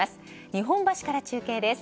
日本橋から中継です。